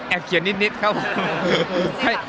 ครับแอบเขียนนิดครับผม